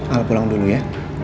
al pulang dulu ya